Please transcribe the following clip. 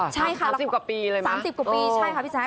สี่ปีแล้วว่ะสามสิบกว่าปีเลยมั้ยโอ้โหใช่ค่ะพี่แจ๊ค